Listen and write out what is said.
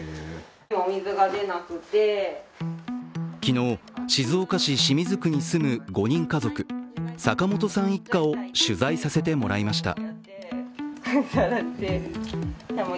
昨日、静岡市清水区に住む５人家族、坂本さん一家を取材させてもらいました。